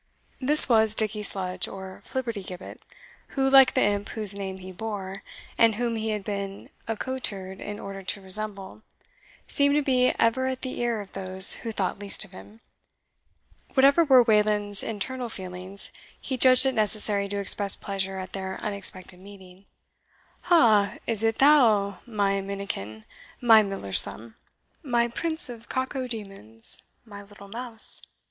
This was Dickie Sludge, or Flibbertigibbet, who, like the imp whose name he bore, and whom he had been accoutred in order to resemble, seemed to be ever at the ear of those who thought least of him. Whatever were Wayland's internal feelings, he judged it necessary to express pleasure at their unexpected meeting. "Ha! is it thou, my minikin my miller's thumb my prince of cacodemons my little mouse?"